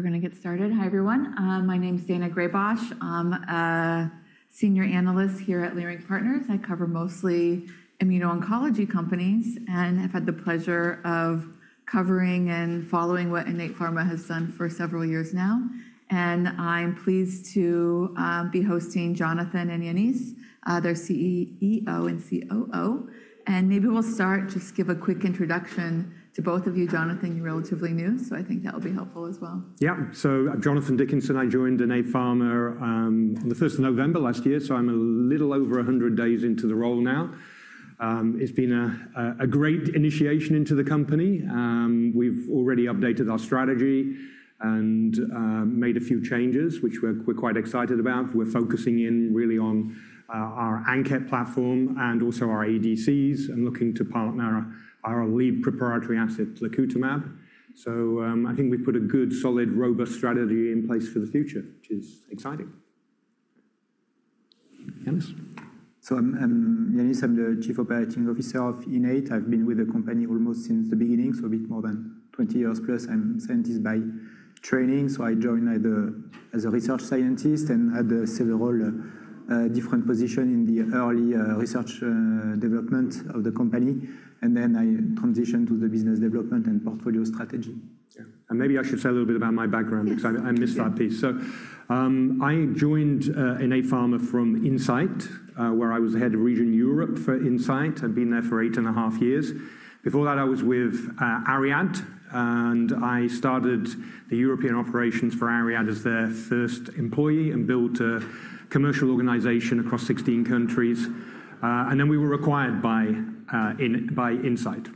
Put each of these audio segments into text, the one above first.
I think we're going to get started. Hi, everyone. My name is Daina Graybosch. I'm a senior analyst here at Leerink Partners. I cover mostly immuno-oncology companies and have had the pleasure of covering and following what Innate Pharma has done for several years now. I'm pleased to be hosting Jonathan and Yannis, their CEO and COO. Maybe we'll start, just give a quick introduction to both of you. Jonathan, you're relatively new, I think that will be helpful as well. Yeah, Jonathan Dickinson, I joined Innate Pharma on the 1st of November last year, I'm a little over 100 days into the role now. It's been a great initiation into the company. We've already updated our strategy and made a few changes, which we're quite excited about. We're focusing in really on our ANKET platform and also our ADCs and looking to partner our lead preparatory asset, lacutamab. I think we've put a good, solid, robust strategy in place for the future, which is exciting. Yannis? I'm Yannis, I'm the Chief Operating Officer of Innate. I've been with the company almost since the beginning, so a bit more than 20 years plus. I'm a scientist by training, I joined as a research scientist and had several different positions in the early research development of the company. I transitioned to the business development and portfolio strategy. Maybe I should say a little bit about my background because I missed that piece. I joined Innate Pharma from Incyte, where I was the head of Region Europe for Incyte. I have been there for eight and a half years. Before that, I was with Ariad, and I started the European operations for Ariad as their first employee and built a commercial organization across 16 countries. We were acquired by Incyte.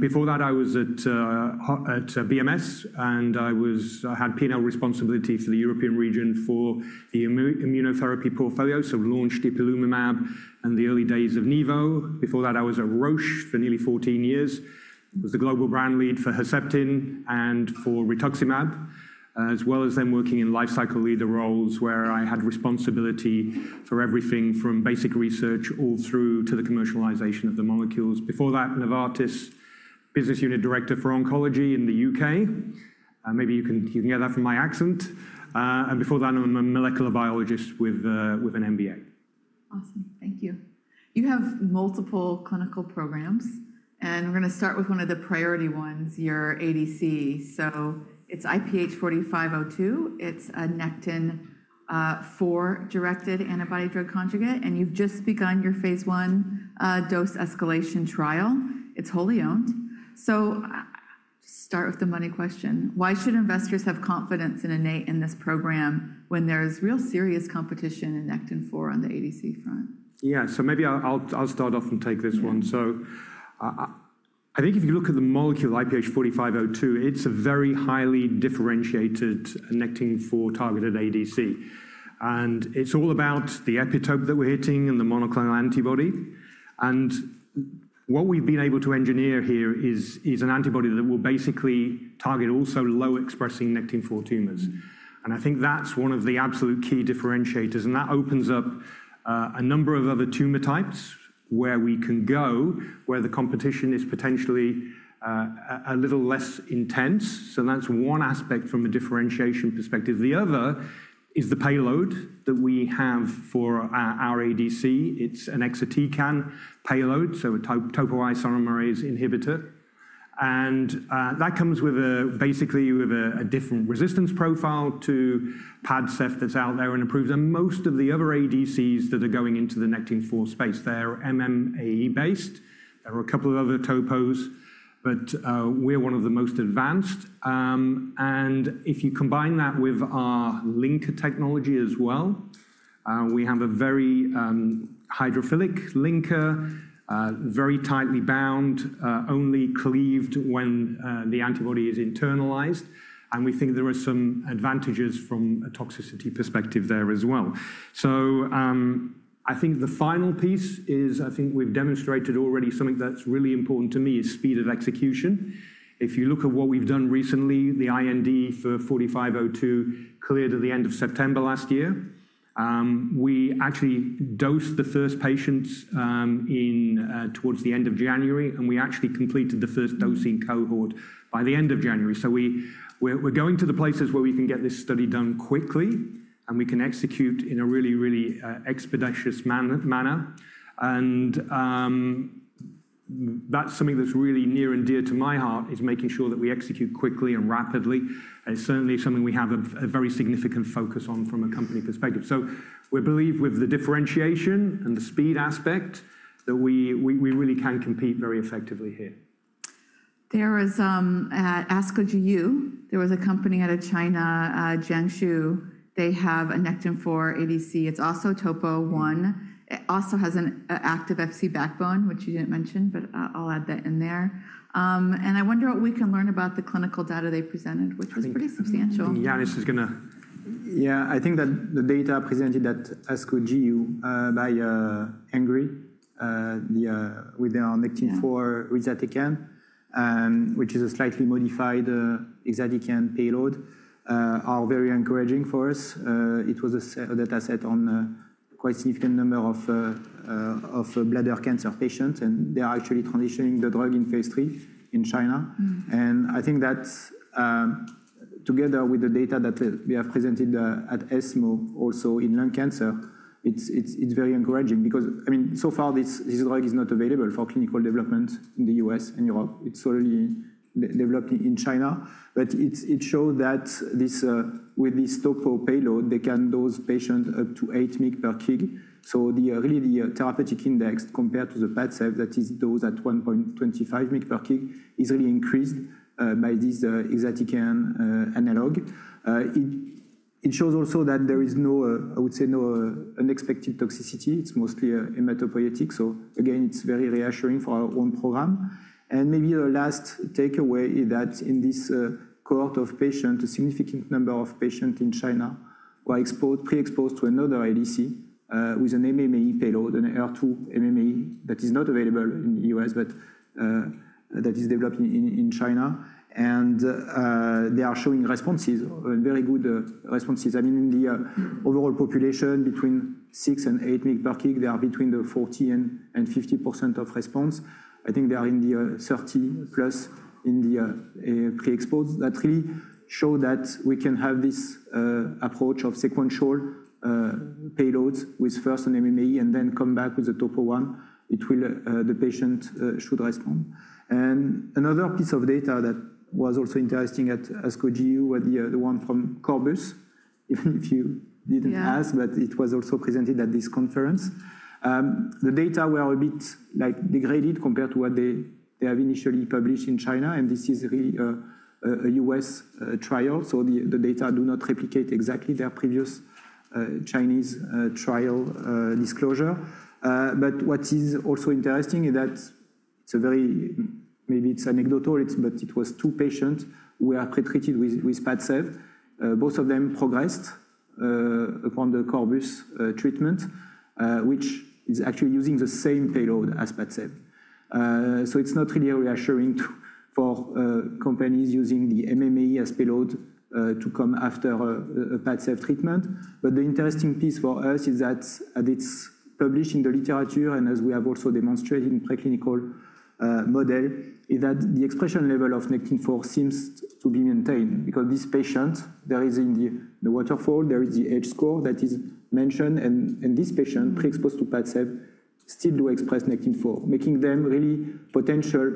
Before that, I was at BMS and I had P&L responsibility for the European region for the immunotherapy portfolio. We launched Ipilimumab and the early days of Nivo. Before that, I was at Roche for nearly 14 years. I was the global brand lead for Herceptin and for Rituximab, as well as then working in life cycle leader roles where I had responsibility for everything from basic research all through to the commercialization of the molecules. Before that, Novartis business unit director for oncology in the U.K. Maybe you can get that from my accent. Before that, I'm a molecular biologist with an MBA. Awesome. Thank you. You have multiple clinical programs, and we're going to start with one of the priority ones, your ADC. It is IPH4502. It is a Nectin-4 directed antibody drug conjugate, and you've just begun your phase one dose escalation trial. It is wholly owned. I'll just start with the money question. Why should investors have confidence in Innate in this program when there's real serious competition in Nectin-4 on the ADC front? Yeah, maybe I'll start off and take this one. I think if you look at the molecule IPH4502, it's a very highly differentiated Nectin-4 targeted ADC. It's all about the epitope that we're hitting and the monoclonal antibody. What we've been able to engineer here is an antibody that will basically target also low expressing Nectin-4 tumors. I think that's one of the absolute key differentiators. That opens up a number of other tumor types where we can go where the competition is potentially a little less intense. That's one aspect from a differentiation perspective. The other is the payload that we have for our ADC. It's an exatecan payload, a topoisomerase inhibitor. That comes basically with a different resistance profile to Padcev that's out there and improves most of the other ADCs that are going into the Nectin-4 space. They're MMAE based. There are a couple of other topos, but we're one of the most advanced. If you combine that with our linker technology as well, we have a very hydrophilic linker, very tightly bound, only cleaved when the antibody is internalized. We think there are some advantages from a toxicity perspective there as well. I think the final piece is I think we've demonstrated already something that's really important to me is speed of execution. If you look at what we've done recently, the IND for 4502 cleared at the end of September last year. We actually dosed the first patients towards the end of January, and we actually completed the first dosing cohort by the end of January. We're going to the places where we can get this study done quickly and we can execute in a really, really expeditious manner. That is something that's really near and dear to my heart, making sure that we execute quickly and rapidly. It is certainly something we have a very significant focus on from a company perspective. We believe with the differentiation and the speed aspect that we really can compete very effectively here. There is ASCO GU. There was a company out of China, Jiangsu. They have a Nectin-4 ADC. It's also topo one. It also has an active Fc backbone, which you didn't mention, but I'll add that in there. I wonder what we can learn about the clinical data they presented, which was pretty substantial. Yannis is going to. Yeah, I think that the data presented at ASCO GU by Hengrui with their Nectin-4 exatecan, which is a slightly modified exatecan payload, are very encouraging for us. It was a data set on a quite significant number of bladder cancer patients, and they are actually transitioning the drug in phase three in China. I think that together with the data that we have presented at ESMO also in lung cancer, it's very encouraging because, I mean, so far this drug is not available for clinical development in the U.S. and Europe. It's solely developed in China. It showed that with this topo payload, they can dose patients up to 8 mg per kg. Really the therapeutic index compared to the Padcev that is dosed at 1.25 mg per kg is really increased by this exatecan analog. It shows also that there is no, I would say, no unexpected toxicity. It's mostly hematopoietic. Again, it's very reassuring for our own program. Maybe the last takeaway is that in this cohort of patients, a significant number of patients in China were pre-exposed to another ADC with an MMAE payload, a HER2 MMAE that is not available in the U.S., but that is developed in China. They are showing responses, very good responses. I mean, in the overall population between 6 and 8 mg per kg, they are between the 40-50% of response. I think they are in the 30 plus in the pre-exposed. That really showed that we can have this approach of sequential payloads with first an MMAE and then come back with a topo one. The patient should respond. Another piece of data that was also interesting at ASCO GU was the one from Corbus, if you did not ask, but it was also presented at this conference. The data were a bit degraded compared to what they have initially published in China. This is really a US trial. The data do not replicate exactly their previous Chinese trial disclosure. What is also interesting is that it is a very, maybe it is anecdotal, but it was two patients who were pre-treated with Padcev. Both of them progressed upon the Corbus treatment, which is actually using the same payload as Padcev. It is not really reassuring for companies using the MMAE as payload to come after a Padcev treatment. The interesting piece for us is that it's published in the literature, and as we have also demonstrated in preclinical model, is that the expression level of Nectin-4 seems to be maintained because this patient, there is in the waterfall, there is the H-score that is mentioned, and this patient pre-exposed to Padcev still do express Nectin-4, making them really a potential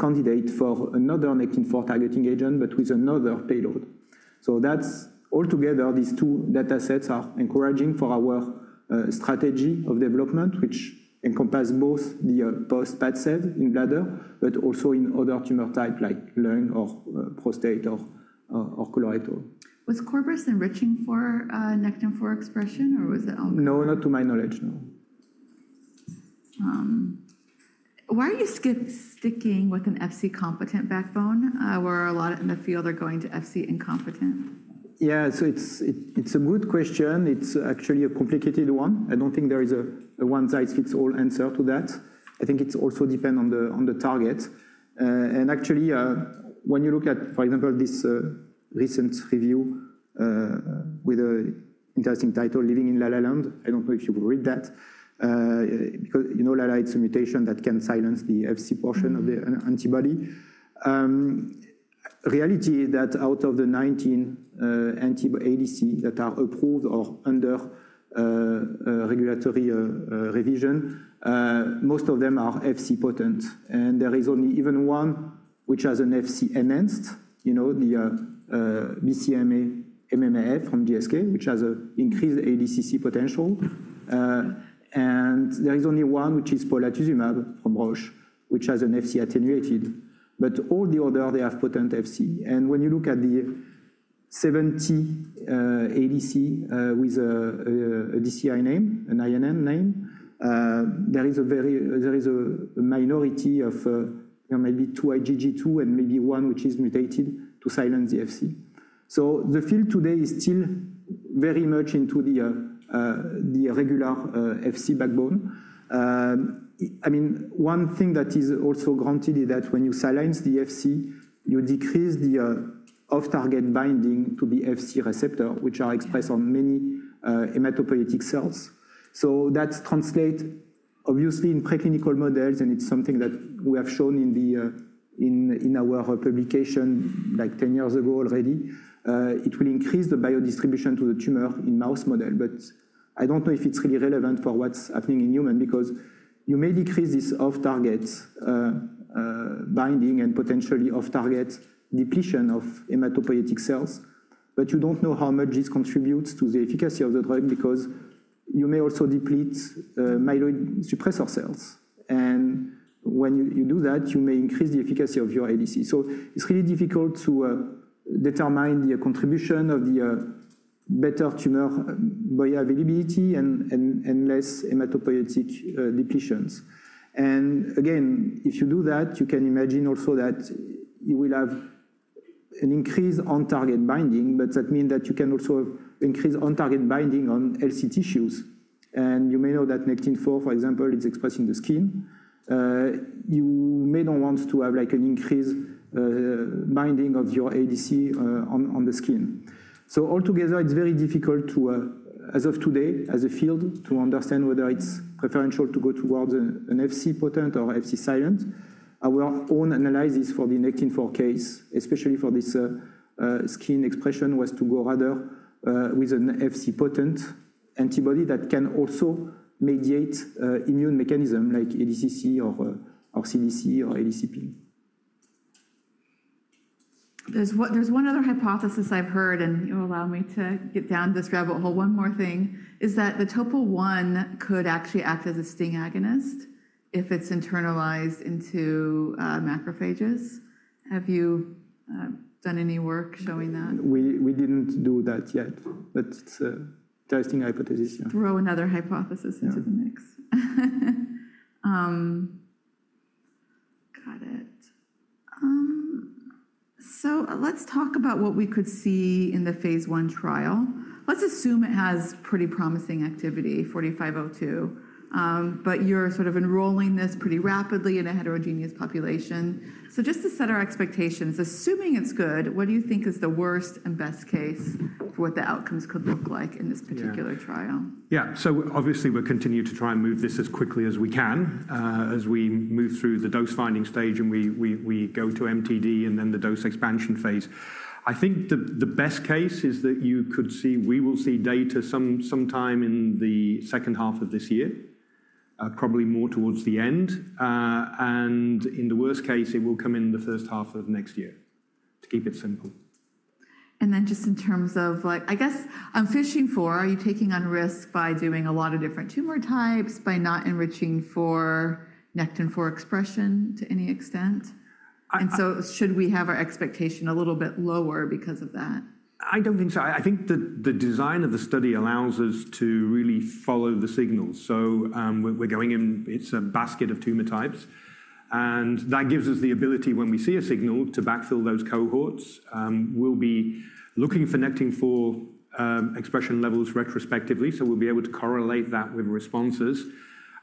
candidate for another Nectin-4 targeting agent, but with another payload. Altogether, these two data sets are encouraging for our strategy of development, which encompasses both the post-Padcev in bladder, but also in other tumor types like lung or prostate or colorectal. Was Corbus enriching for Nectin-4 expression, or was it only? No, not to my knowledge, no. Why are you skeptic with an Fc competent backbone where a lot in the field are going to Fc incompetent? Yeah, so it's a good question. It's actually a complicated one. I don't think there is a one-size-fits-all answer to that. I think it also depends on the target. Actually, when you look at, for example, this recent review with an interesting title, Living in Lalaland, I don't know if you will read that, because Lalaland, it's a mutation that can silence the Fc portion of the antibody. Reality is that out of the 19 antibody ADC that are approved or under regulatory revision, most of them are Fc potent. There is only even one which has an Fc enhanced, the BCMA MMAF from GSK, which has an increased ADCC potential. There is only one which is Polatuzumab from Roche, which has an Fc attenuated. All the other, they have potent Fc. When you look at the 70 ADC with a DCI name, an INN name, there is a minority of maybe two IgG2 and maybe one which is mutated to silence the FC. The field today is still very much into the regular FC backbone. I mean, one thing that is also granted is that when you silence the FC, you decrease the off-target binding to the FC receptor, which are expressed on many hematopoietic cells. That is translated obviously in preclinical models, and it is something that we have shown in our publication like 10 years ago already. It will increase the biodistribution to the tumor in mouse model. I don't know if it's really relevant for what's happening in humans because you may decrease this off-target binding and potentially off-target depletion of hematopoietic cells, but you don't know how much this contributes to the efficacy of the drug because you may also deplete myeloid suppressor cells. When you do that, you may increase the efficacy of your ADC. It's really difficult to determine the contribution of the better tumor bioavailability and less hematopoietic depletions. If you do that, you can imagine also that you will have an increase on-target binding, but that means that you can also increase on-target binding on LC tissues. You may know that Nectin-4, for example, is expressed in the skin. You may not want to have an increased binding of your ADC on the skin. Altogether, it's very difficult to, as of today, as a field, to understand whether it's preferential to go towards an Fc potent or Fc silent. Our own analysis for the Nectin-4 case, especially for this skin expression, was to go rather with an Fc potent antibody that can also mediate immune mechanisms like ADCC or CDC or ADCP. There's one other hypothesis I've heard, and you'll allow me to get down this rabbit hole. One more thing is that the topo one could actually act as a STING agonist if it's internalized into macrophages. Have you done any work showing that? We didn't do that yet, but it's an interesting hypothesis. Throw another hypothesis into the mix. Got it. Let's talk about what we could see in the phase one trial. Let's assume it has pretty promising activity, 4502, but you're sort of enrolling this pretty rapidly in a heterogeneous population. Just to set our expectations, assuming it's good, what do you think is the worst and best case for what the outcomes could look like in this particular trial? Yeah, obviously we'll continue to try and move this as quickly as we can as we move through the dose finding stage and we go to MTD and then the dose expansion phase. I think the best case is that you could see, we will see data sometime in the second half of this year, probably more towards the end. In the worst case, it will come in the first half of next year, to keep it simple. Just in terms of, I guess, on FISHing-4, are you taking on risk by doing a lot of different tumor types, by not enriching for Nectin-4 expression to any extent? Should we have our expectation a little bit lower because of that? I don't think so. I think the design of the study allows us to really follow the signals. We're going in, it's a basket of tumor types. That gives us the ability when we see a signal to backfill those cohorts. We'll be looking for Nectin-4 expression levels retrospectively, we'll be able to correlate that with responses.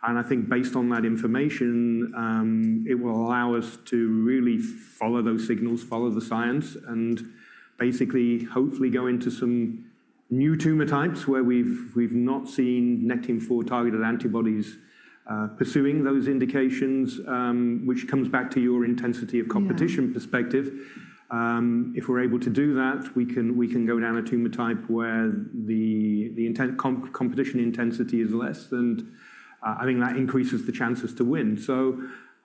I think based on that information, it will allow us to really follow those signals, follow the science, and basically hopefully go into some new tumor types where we've not seen Nectin-4 targeted antibodies pursuing those indications, which comes back to your intensity of competition perspective. If we're able to do that, we can go down a tumor type where the competition intensity is less, and I think that increases the chances to win.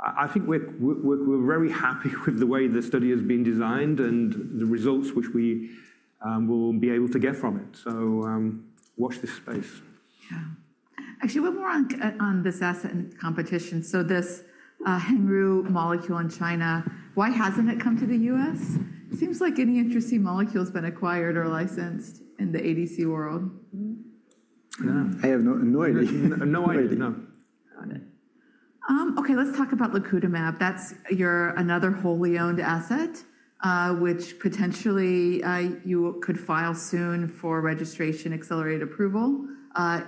I think we're very happy with the way the study has been designed and the results which we will be able to get from it. Watch this space. Yeah. Actually, one more on this asset and competition. This Hengrui molecule in China, why hasn't it come to the U.S.? Seems like any interesting molecule has been acquired or licensed in the ADC world. Yeah, I have no idea. No idea, no. Got it. Okay, let's talk about Lacutamab. That's your another wholly owned asset, which potentially you could file soon for registration accelerated approval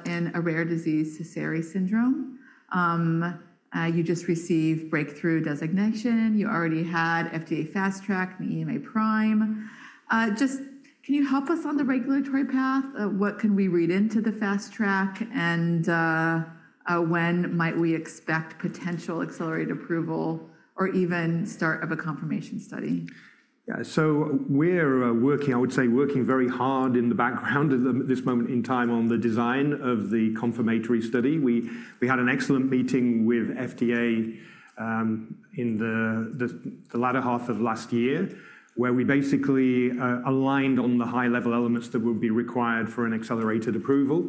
in a rare disease, Sezary syndrome. You just received breakthrough designation. You already had FDA Fast Track and EMA PRIME. Just can you help us on the regulatory path? What can we read into the Fast Track, and when might we expect potential accelerated approval or even start of a confirmation study? Yeah, we're working, I would say working very hard in the background at this moment in time on the design of the confirmatory study. We had an excellent meeting with FDA in the latter half of last year where we basically aligned on the high-level elements that would be required for an accelerated approval.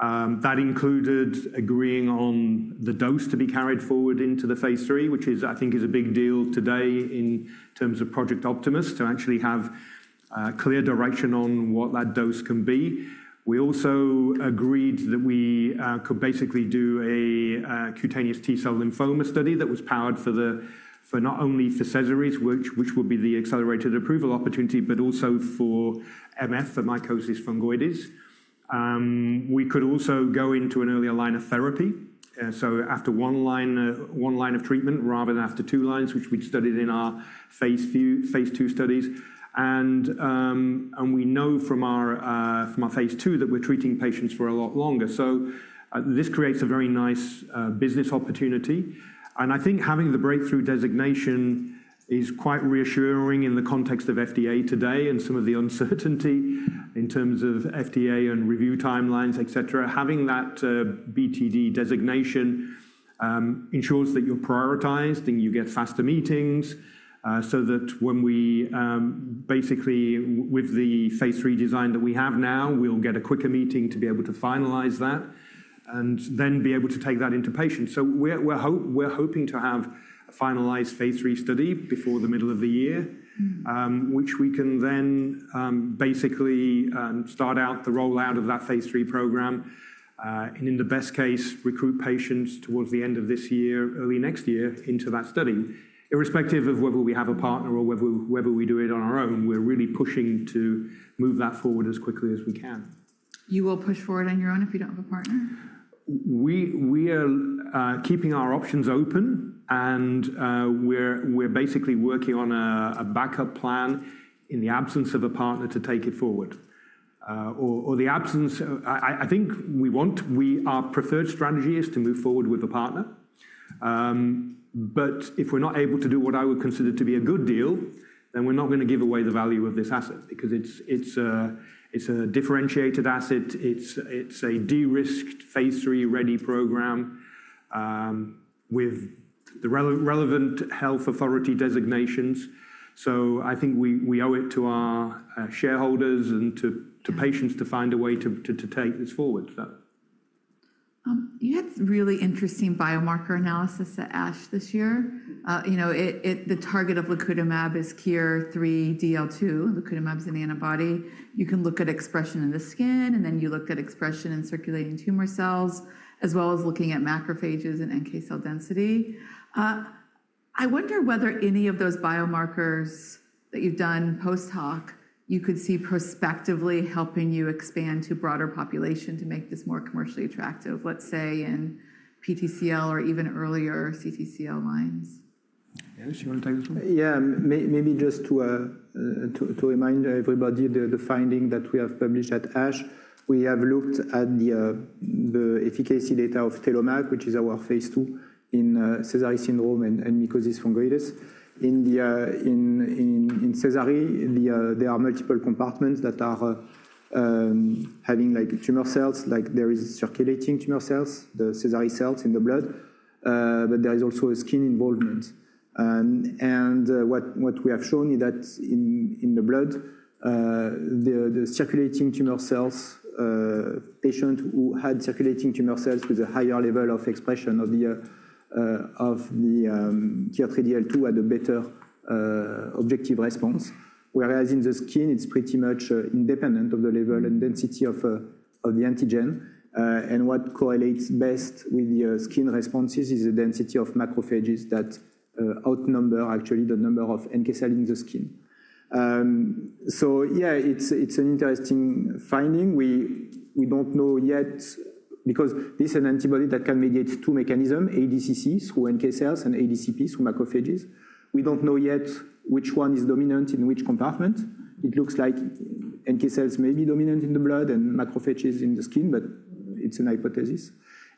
That included agreeing on the dose to be carried forward into the phase three, which I think is a big deal today in terms of Project Optimus to actually have clear direction on what that dose can be. We also agreed that we could basically do a cutaneous T-cell lymphoma study that was powered for not only for Sezary's, which would be the accelerated approval opportunity, but also for MF, for mycosis fungoides. We could also go into an earlier line of therapy. After one line of treatment rather than after two lines, which we studied in our phase two studies. We know from our phase two that we're treating patients for a lot longer. This creates a very nice business opportunity. I think having the breakthrough designation is quite reassuring in the context of FDA today and some of the uncertainty in terms of FDA and review timelines, et cetera. Having that BTD designation ensures that you're prioritized and you get faster meetings so that when we basically with the phase three design that we have now, we'll get a quicker meeting to be able to finalize that and then be able to take that into patients. We are hoping to have a finalized phase three study before the middle of the year, which we can then basically start out the rollout of that phase three program and in the best case, recruit patients towards the end of this year, early next year into that study. Irrespective of whether we have a partner or whether we do it on our own, we are really pushing to move that forward as quickly as we can. You will push forward on your own if you don't have a partner? We are keeping our options open and we're basically working on a backup plan in the absence of a partner to take it forward. In the absence, I think we want, our preferred strategy is to move forward with a partner. If we're not able to do what I would consider to be a good deal, then we're not going to give away the value of this asset because it's a differentiated asset. It's a de-risked phase three ready program with the relevant health authority designations. I think we owe it to our shareholders and to patients to find a way to take this forward. You had really interesting biomarker analysis at ASH this year. The target of Lacutamab is KIR3DL2, Lacutamab's an antibody. You can look at expression in the skin and then you looked at expression in circulating tumor cells as well as looking at macrophages and NK cell density. I wonder whether any of those biomarkers that you've done post-hoc, you could see prospectively helping you expand to broader population to make this more commercially attractive, let's say in PTCL or even earlier CTCL lines. Yeah, does she want to take this one? Yeah, maybe just to remind everybody the finding that we have published at ASH, we have looked at the efficacy data of Lacutamab, which is our phase two in Sezary syndrome and mycosis fungoides. In Sezary, there are multiple compartments that are having tumor cells, like there are circulating tumor cells, the Sezary cells in the blood, but there is also a skin involvement. What we have shown is that in the blood, the circulating tumor cells, patients who had circulating tumor cells with a higher level of expression of the KIR3DL2 had a better objective response. Whereas in the skin, it is pretty much independent of the level and density of the antigen. What correlates best with the skin responses is the density of macrophages that outnumber actually the number of NK cells in the skin. Yeah, it's an interesting finding. We don't know yet because this is an antibody that can mediate two mechanisms, ADCC through NK cells and ADCP through macrophages. We don't know yet which one is dominant in which compartment. It looks like NK cells may be dominant in the blood and macrophages in the skin, but it's a hypothesis.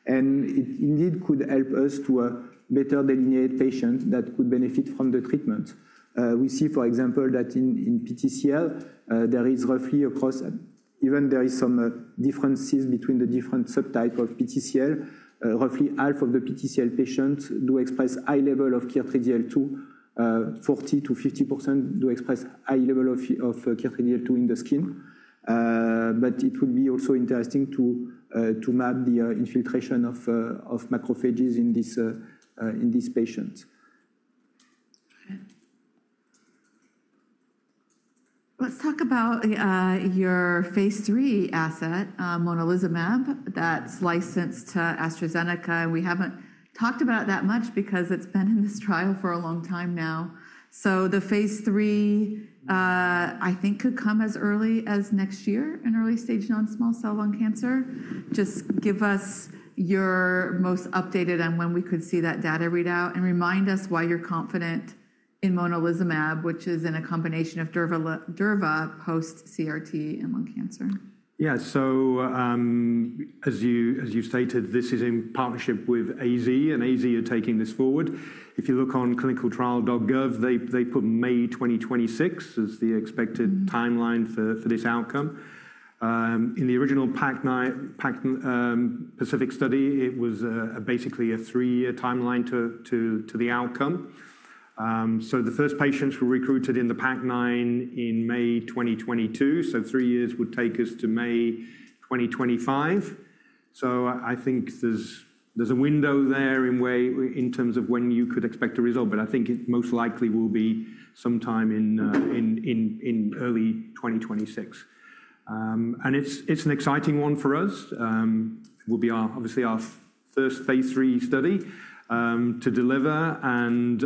It indeed could help us to better delineate patients that could benefit from the treatment. We see, for example, that in PTCL, there is roughly across, even there are some differences between the different subtypes of PTCL, roughly half of the PTCL patients do express high level of KIR3DL2, 40-50% do express high level of KIR3DL2 in the skin. It would be also interesting to map the infiltration of macrophages in these patients. Let's talk about your phase three asset, Monolizumab, that's licensed to AstraZeneca. We haven't talked about that much because it's been in this trial for a long time now. The phase three, I think, could come as early as next year in early stage non-small cell lung cancer. Just give us your most updated on when we could see that data readout and remind us why you're confident in Monolizumab, which is in a combination of Durva post-CRT and lung cancer. Yeah, so as you stated, this is in partnership with AZ, and AZ are taking this forward. If you look on clinicaltrial.gov, they put May 2026 as the expected timeline for this outcome. In the original PAC9 Pacific study, it was basically a three-year timeline to the outcome. The first patients were recruited in the PAC9 in May 2022. Three years would take us to May 2025. I think there's a window there in terms of when you could expect a result, but I think it most likely will be sometime in early 2026. It's an exciting one for us. It will be obviously our first phase three study to deliver.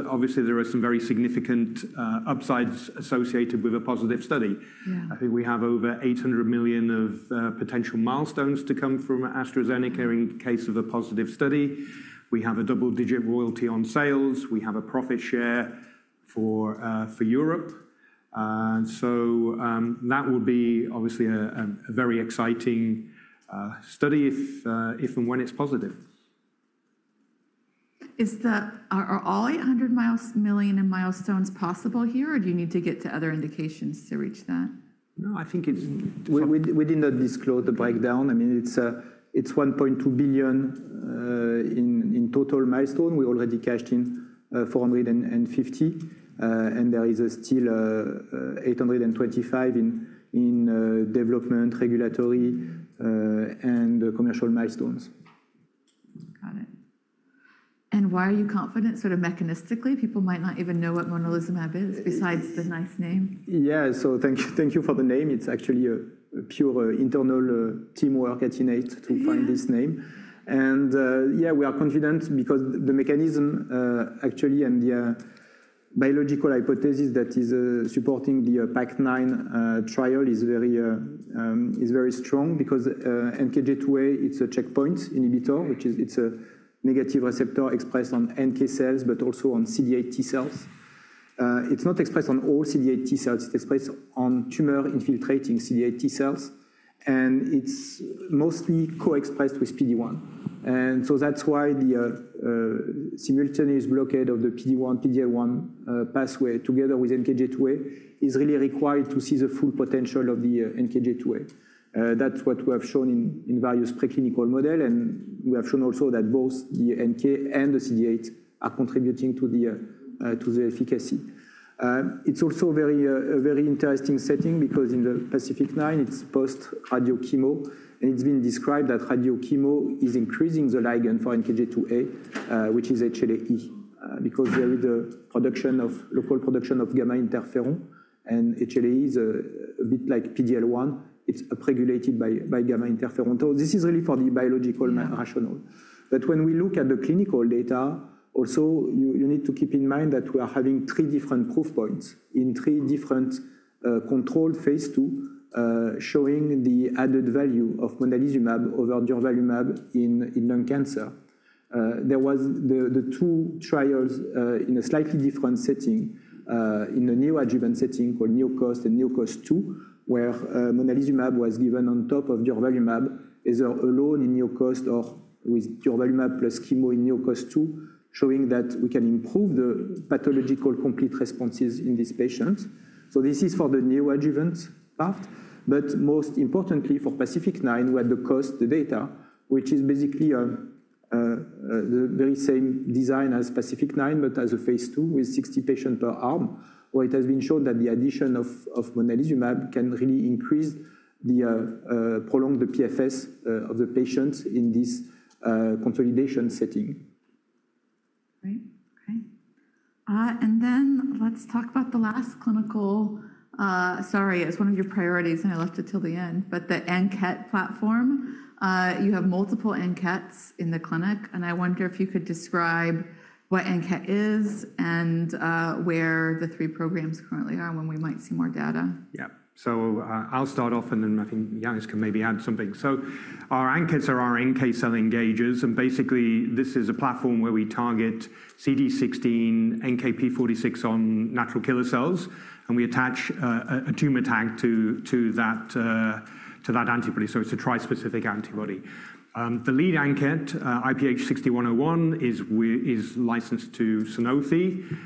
Obviously, there are some very significant upsides associated with a positive study. I think we have over $800 million of potential milestones to come from AstraZeneca in case of a positive study. We have a double-digit royalty on sales. We have a profit share for Europe. That will be obviously a very exciting study if and when it's positive. Are all $800 million in milestones possible here, or do you need to get to other indications to reach that? No, I think it's we did not disclose the breakdown. I mean, it's $1.2 billion in total milestone. We already cashed in $450 million, and there is still $825 million in development, regulatory, and commercial milestones. Got it. Why are you confident sort of mechanistically? People might not even know what Monolizumab is besides the nice name. Yeah, thank you for the name. It's actually a pure internal teamwork at Innate to find this name. Yeah, we are confident because the mechanism actually and the biological hypothesis that is supporting the PAC9 trial is very strong because NKG2A, it's a checkpoint inhibitor, which is a negative receptor expressed on NK cells, but also on CD8 T cells. It's not expressed on all CD8 T-cells. It's expressed on tumor infiltrating CD8 T cells, and it's mostly co-expressed with PD-1. That's why the simultaneous blockade of the PD-1, PD-L1 pathway together with NKG2A is really required to see the full potential of the NKG2A. That's what we have shown in various preclinical models, and we have shown also that both the NK and the CD8 are contributing to the efficacy. It's also a very interesting setting because in the PACIFIC line, it's post-radiochemo, and it's been described that radiochemo is increasing the ligand for NKG2A, which is HLA-E because there is a local production of gamma interferon, and HLA-E is a bit like PD-L1. It's upregulated by gamma interferon. This is really for the biological rationale. When we look at the clinical data, also you need to keep in mind that we are having three different proof points in three different controlled phase two showing the added value of Monalizumab over Durvalumab in lung cancer. There were the two trials in a slightly different setting in a neoadjuvant setting called NeoCOAST and NeoCOAST-2, where Monalizumab was given on top of Durvalumab either alone in NeoCOAST or with Durvalumab plus chemo in NeoCOAST-2, showing that we can improve the pathological complete responses in these patients. This is for the new adjuvant part, but most importantly for Pacific line, we had the COST data, which is basically the very same design as Pacific line, but as a phase two with 60 patients per arm, where it has been shown that the addition of Monalizumab can really increase the prolong the PFS of the patients in this consolidation setting. Great, okay. Let's talk about the last clinical, sorry, it's one of your priorities, and I left it till the end, but the ANKET platform. You have multiple ANKATs in the clinic, and I wonder if you could describe what ANKET is and where the three programs currently are and when we might see more data. Yeah, I'll start off and then I think Yannis can maybe add something. Our ANKETs are our NK cell engagers, and basically this is a platform where we target CD16, NKp46 on natural killer cells, and we attach a tumor tag to that antibody. It is a tri-specific antibody. The lead ANKET, IPH6101, is licensed to Sanofi.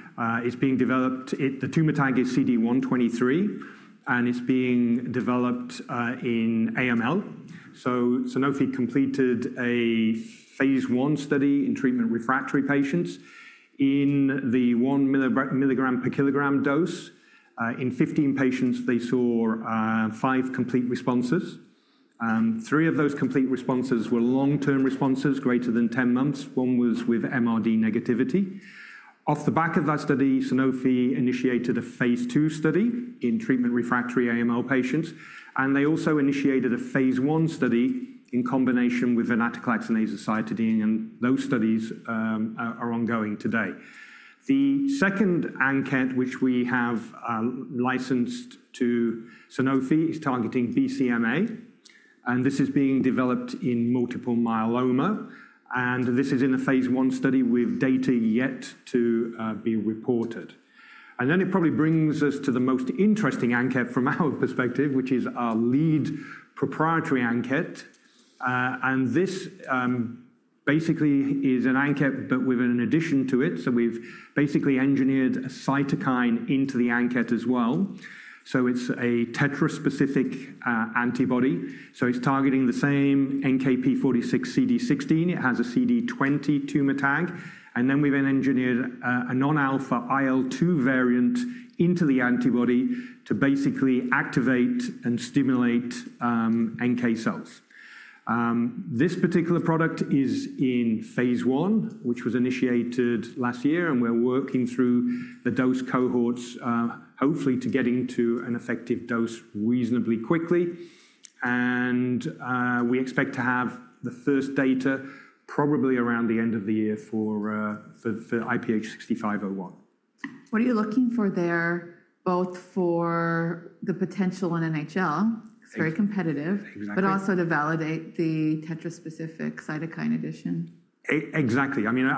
It's being developed. The tumor tag is CD123, and it's being developed in AML. Sanofi completed a phase one study in treatment refractory patients in the one milligram per kilogram dose. In 15 patients, they saw five complete responses. Three of those complete responses were long-term responses greater than 10 months. One was with MRD negativity. Off the back of that study, Sanofi initiated a phase two study in treatment refractory AML patients, and they also initiated a phase one study in combination with venetoclax and azacitidine, and those studies are ongoing today. The second ANKET, which we have licensed to Sanofi, is targeting BCMA, and this is being developed in multiple myeloma, and this is in a phase one study with data yet to be reported. It probably brings us to the most interesting ANKET from our perspective, which is our lead proprietary ANKET. This basically is an ANKET, but with an addition to it. We have basically engineered a cytokine into the NCAT as well. It is a tetra-specific antibody. It is targeting the same NKp46 CD16. It has a CD20 tumor tag, and we have engineered a non-alpha IL-2 variant into the antibody to basically activate and stimulate NK cells. This particular product is in phase one, which was initiated last year, and we're working through the dose cohorts, hopefully to get into an effective dose reasonably quickly. We expect to have the first data probably around the end of the year for IPH6501. What are you looking for there, both for the potential in NHL, it's very competitive, but also to validate the tetra-specific cytokine addition? Exactly. I mean,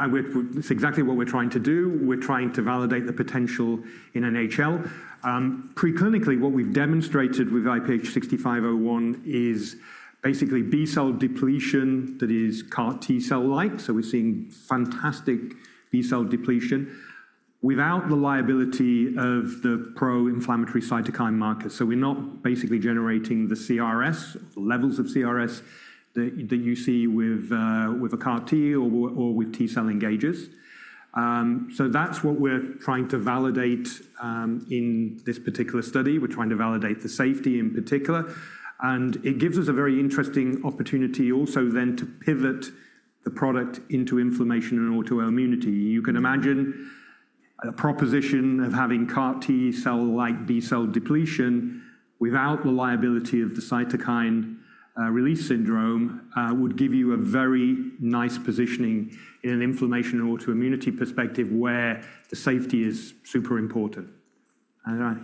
it's exactly what we're trying to do. We're trying to validate the potential in NHL. Preclinically, what we've demonstrated with IPH6501 is basically B cell depletion that is CAR T cell-like. We're seeing fantastic B cell depletion without the liability of the pro-inflammatory cytokine markers. We're not basically generating the CRS, levels of CRS that you see with a CAR T or with T cell engagers. That's what we're trying to validate in this particular study. We're trying to validate the safety in particular, and it gives us a very interesting opportunity also then to pivot the product into inflammation and autoimmunity. You can imagine a proposition of having CAR T cell-like B cell depletion without the liability of the cytokine release syndrome would give you a very nice positioning in an inflammation and autoimmunity perspective where the safety is super important.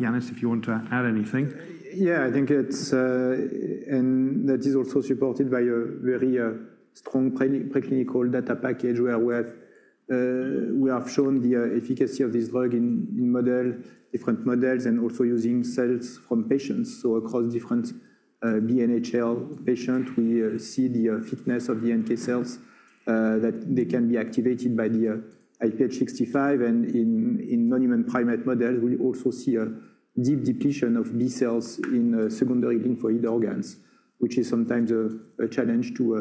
Yannis, if you want to add anything. Yeah, I think it's, and that is also supported by a very strong preclinical data package where we have shown the efficacy of this drug in different models and also using cells from patients. Across different BNHL patients, we see the fitness of the NK cells that they can be activated by the IPH6501, and in non-human primate models, we also see a deep depletion of B cells in secondary lymphoid organs, which is sometimes a challenge to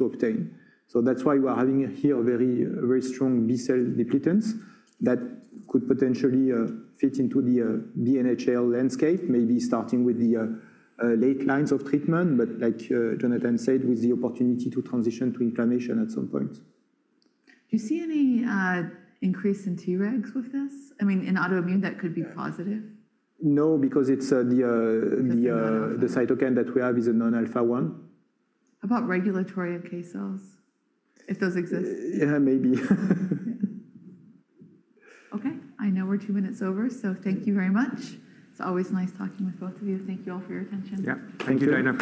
obtain. That is why we are having here very strong B cell depletions that could potentially fit into the BNHL landscape, maybe starting with the late lines of treatment, but like Jonathan said, with the opportunity to transition to inflammation at some point. Do you see any increase in Tregs with this? I mean, in autoimmune, that could be positive. No, because the cytokine that we have is a non-alpha one. How about regulatory NK cells, if those exist? Yeah, maybe. Okay, I know we're two minutes over, thank you very much. It's always nice talking with both of you. Thank you all for your attention. Yeah, thank you.